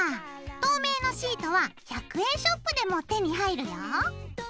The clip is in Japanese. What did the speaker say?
透明のシートは１００円ショップでも手に入るよ。